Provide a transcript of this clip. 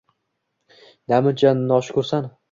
Namuncha noshukursan